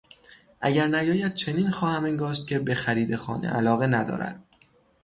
اگر نیاید چنین خواهم انگاشت که به خرید خانه علاقه ندارد.